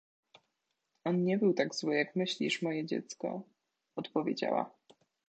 — On nie był tak zły, jak myślisz, moje dziecko — odpowiedziała.